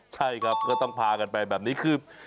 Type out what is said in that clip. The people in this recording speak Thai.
ใช่ครับก็ต้องพากันไปแบบนี้คือ